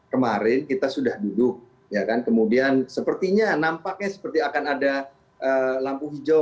kemarin kita sudah duduk ya kan kemudian sepertinya nampaknya seperti akan ada lampu hijau